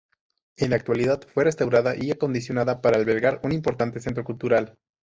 En la actualidad fue restaurada y acondicionada para albergar un importante centro cultural.